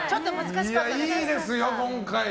いいですよ、今回。